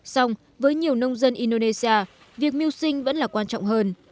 xong với nhiều nông dân indonesia việc mưu sinh vẫn là quan trọng hơn